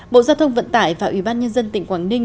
bộ giao thông vận tải và ủy ban nhân dân tỉnh quảng ninh